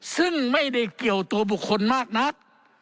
ซึ่งไม่ได้เกี่ยวตัวบุคคลมากนัก